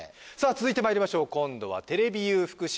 続いてまいりましょう今度はテレビユー福島